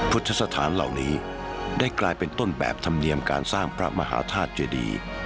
พุทธสถานเหล่านี้ได้กลายเป็นต้นแบบธรรมเนียมการสร้างพระมหาธาตุเจดี